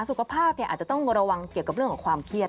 สุขภาพอาจจะต้องระวังเกี่ยวกับเรื่องของความเครียด